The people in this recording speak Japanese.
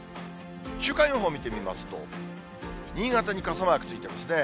週間予報を見てみますと、新潟に傘マークついてますね。